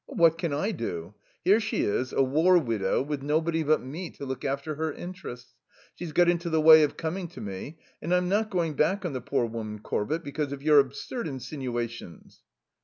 "What can I do? Here she is, a war widow with nobody but me to look after her interests. She's got into the way of coming to me, and I'm not going back on the poor woman, Corbett, because of your absurd insinuations."